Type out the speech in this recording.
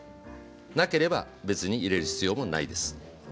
なければ別に入れる必要もないです。